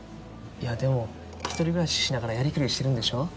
いやでも１人暮らししながらやりくりしてるんでしょ？